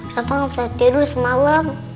rafa gak bisa tidur semalam